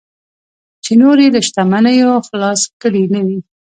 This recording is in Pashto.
چې نور یې له شتمنیو خلاص کړي نه وي.